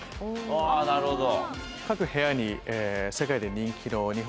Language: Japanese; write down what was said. あぁなるほどね。